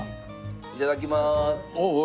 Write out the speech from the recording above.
いただきます。